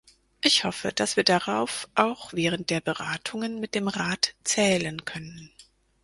Ich hoffe, dass wir darauf auch während der Beratungen mit dem Rat zählen können.